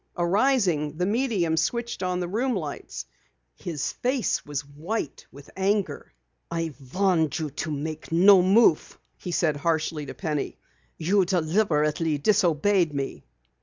Arising, the medium switched on the room lights. His face was white with anger. "I warned you to make no move," he said harshly to Penny. "You deliberately disobeyed me."